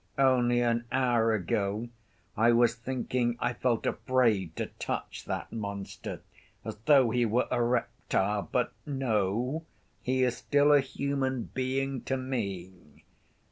"Only an hour ago I was thinking I felt afraid to touch that monster ... as though he were a reptile ... but no, he is still a human being to me!